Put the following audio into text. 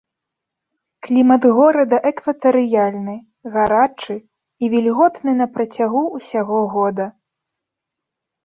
Клімат горада экватарыяльны, гарачы і вільготны на працягу ўсяго года.